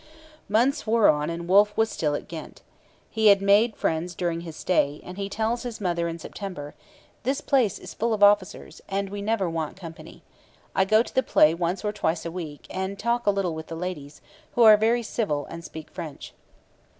Months wore on and Wolfe was still at Ghent. He had made friends during his stay, and he tells his mother in September: 'This place is full of officers, and we never want company. I go to the play once or twice a week, and talk a little with the ladies, who are very civil and speak French.'